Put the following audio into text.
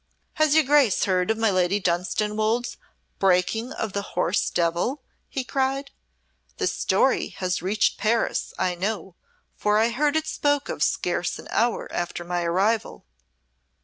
"Has your Grace heard of my Lady Dunstanwolde's breaking of the horse Devil?" he cried. "The story has reached Paris, I know, for I heard it spoke of scarce an hour after my arrival.